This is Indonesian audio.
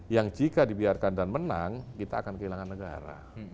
yang jika dibiarkan dan menang kita akan kehilangan negara